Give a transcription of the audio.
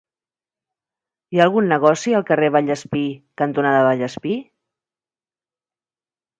Hi ha algun negoci al carrer Vallespir cantonada Vallespir?